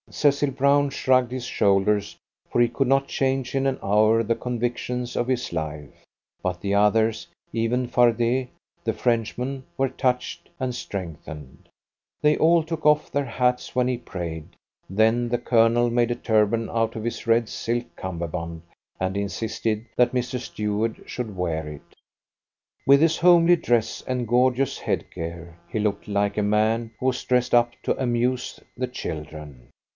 Cecil Brown shrugged his shoulders, for he could not change in an hour the convictions of his life; but the others, even Fardet, the Frenchman, were touched and strengthened. They all took off their hats when he prayed. Then the Colonel made a turban out of his red silk cummerbund, and insisted that Mr. Stuart should wear it. With his homely dress and gorgeous headgear, he looked like a man who has dressed up to amuse the children.